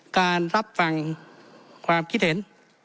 การรับฟังความคิดเห็น